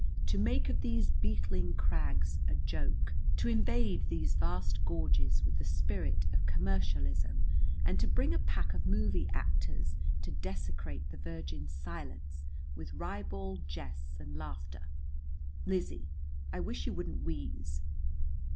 To make of these beetling crags a joke! To invade these vast gorges with the spirit of commercialism and to bring a pack of movie actors to desecrate the virgin silence with ribald jests and laughter! Lizzie, I wish you wouldn't wheeze!"